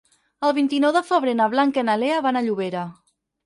El vint-i-nou de febrer na Blanca i na Lea van a Llobera.